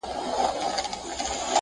هره مور ده پرهارونه د ناصورو!!